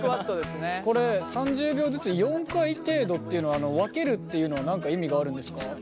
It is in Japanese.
これ３０秒ずつ４回程度っていうのは分けるっていうのは何か意味があるんですか？